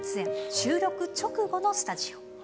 収録直後のスタジオ。